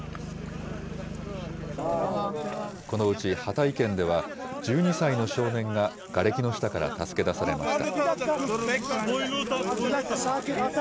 このうちハタイ県では、１２歳の少年ががれきの下から助け出されました。